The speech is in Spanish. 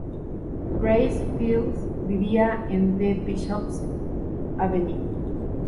Gracie Fields vivía en The Bishop's Avenue.